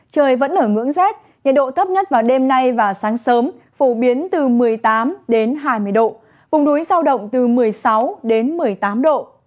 trời vẫn ở ngưỡng rét nhiệt độ thấp nhất vào đêm nay và sáng sớm phổ biến từ một mươi tám đến hai mươi độ vùng núi giao động từ một mươi sáu đến một mươi tám độ